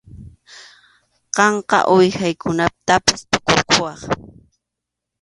Qamqa uwihaykunatapas tukurquwaq.